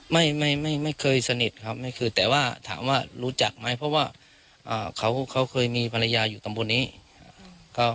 ไม่ไม่ไม่เคยสนิทครับไม่เคยแต่ว่าถามว่ารู้จักไหมเพราะว่าเขาเคยมีภรรยาอยู่ตำบลนี้